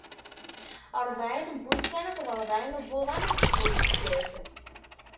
Ṛebɛin n wussan akked ṛebɛin n wuḍan, ageffur ikkat.